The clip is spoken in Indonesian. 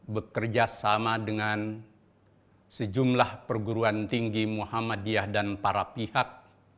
bekerja sama dengan sejumlah perguruan tinggi muhammadiyah dan para pihak